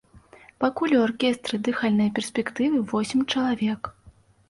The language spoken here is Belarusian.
Пакуль у аркестры дыхальнай перспектывы восем чалавек.